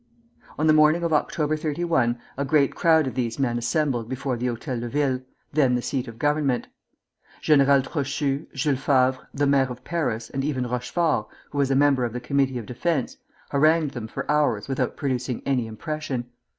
On the morning of October 31, a great crowd of these men assembled before the Hôtel de Ville, then the seat of government. General Trochu, Jules Favre, the Maire of Paris, and even Rochefort, who was a member of the Committee of Defence, harangued them for hours without producing any impression.